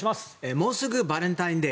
もうすぐバレンタインデー。